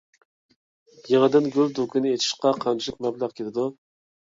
يېڭىدىن گۈل دۇكىنى ئېچىشقا قانچىلىك مەبلەغ كېتىدۇ؟